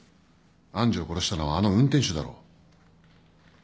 愛珠を殺したのはあの運転手だろ。